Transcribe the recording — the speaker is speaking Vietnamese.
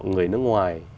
người nước ngoài